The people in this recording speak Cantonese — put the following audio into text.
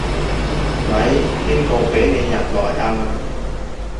喂，邊個畀你入來啊？